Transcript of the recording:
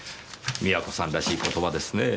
美和子さんらしい言葉ですねぇ。